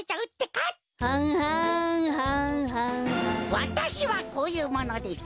わたしはこういうものです。